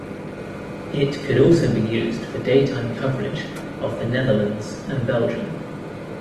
It could also be used for daytime coverage of the Netherlands and Belgium.